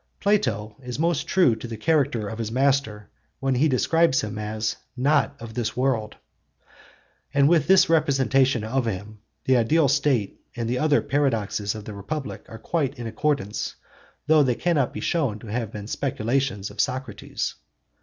Plato is most true to the character of his master when he describes him as 'not of this world.' And with this representation of him the ideal state and the other paradoxes of the Republic are quite in accordance, though they cannot be shown to have been speculations of Socrates.